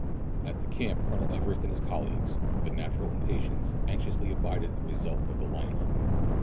At the camp Colonel Everest and his colleagues, with a natural impatience, anxiously abided the result of the lion hunt.